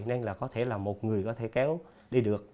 nên là có thể là một người có thể kéo đi được